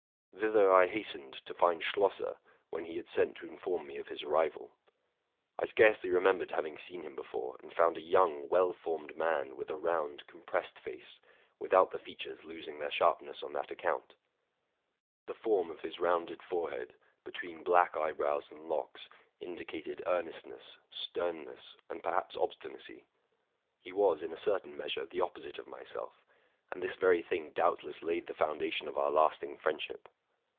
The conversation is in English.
Thither I hastened to find Schlosser, when he had sent to inform me of his arrival. I scarely remembered having seen him before, and found a young, well formed man, with a round, compressed face, without the features losing their sharpness on that account. The form of his rounded forehead, between black eyebrows and locks, indi cated earnestness, sternness, and perhaps obstinacy. He was, in a certain measure, the opposite of myself ; and this very thing doubtless laid the foundation of our lasting friend ship.